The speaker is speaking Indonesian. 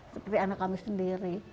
seperti anak kami sendiri